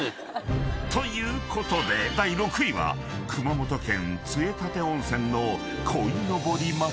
［ということで第６位は熊本県杖立温泉の鯉のぼり祭り］